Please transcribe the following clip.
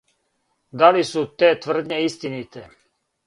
Да ли су те тврдње истините?